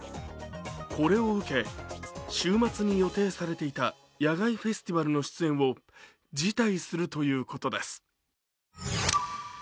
これを受け、週末に予定されていた野外フェスティバルの出演を辞退するということです。